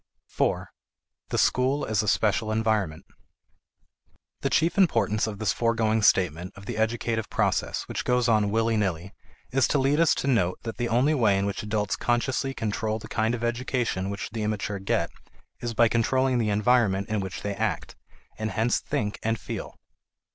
4. The School as a Special Environment. The chief importance of this foregoing statement of the educative process which goes on willy nilly is to lead us to note that the only way in which adults consciously control the kind of education which the immature get is by controlling the environment in which they act, and hence think and feel.